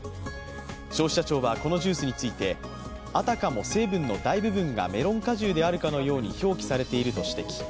消費者庁はこのジュースについて、あたかも成分の大部分がメロン果汁のように表記されていると指摘。